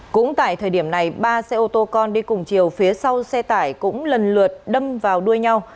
cũng tại thời điểm này ba xe ô tô con đi cùng chiều phía sau xe tải cũng lần lượt đâm vào đuôi nhau